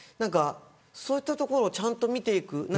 そういったところをちゃんと見ていく。